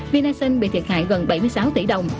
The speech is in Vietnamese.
vinasun bị thiệt hại gần bảy mươi sáu tỷ đồng